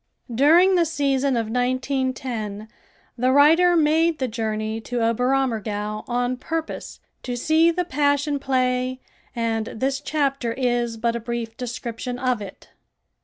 During the season of 1910 the writer made the journey to Oberammergau on purpose to see the Passion Play and this chapter is but a brief description of it.